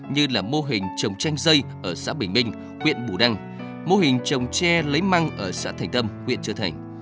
như là mô hình trồng chanh dây ở xã bình minh huyện bù đăng mô hình trồng tre lấy măng ở xã thành tâm huyện châu thành